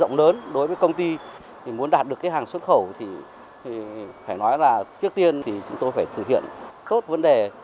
rộng lớn đối với công ty muốn đạt được hàng xuất khẩu thì phải nói là trước tiên chúng tôi phải thực hiện tốt vấn đề